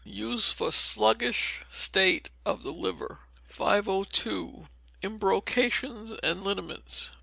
Use for sluggish state of the liver. 502. Embrocations and Liniments.